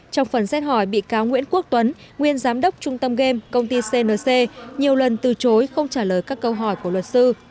trong phần xét hỏi bị cáo nguyễn quốc tuấn nguyên giám đốc trung tâm game công ty cnc nhiều lần từ chối không trả lời các câu hỏi của luật sư